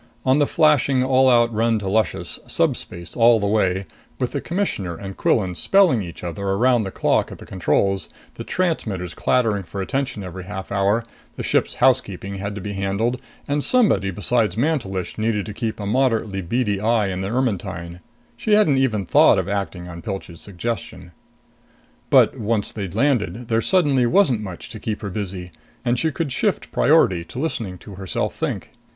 On the flashing, all out run to Luscious, subspace all the way, with the Commissioner and Quillan spelling each other around the clock at the controls, the transmitters clattering for attention every half hour, the ship's housekeeping had to be handled, and somebody besides Mantelish needed to keep a moderately beady eye on the Ermetyne, she hadn't even thought of acting on Pilch's suggestion. But once they'd landed, there suddenly wasn't much to keep her busy, and she could shift priority to listening to herself think.